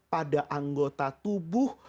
pada anggota tubuh